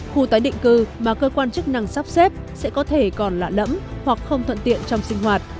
khu tái định cư mà cơ quan chức năng sắp xếp sẽ có thể còn lạ lẫm hoặc không thuận tiện trong sinh hoạt